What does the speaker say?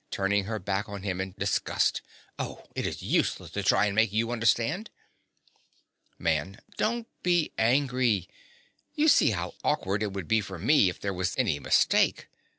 (turning her back on him in disgust.) Oh, it is useless to try and make you understand. MAN. Don't be angry: you see how awkward it would be for me if there was any mistake.